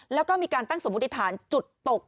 แล้วก็มีการตั้งสมมุติฐานจุดตก